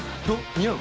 似合う？